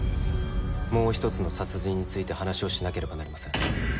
もう１つの殺人について話をしなければなりません。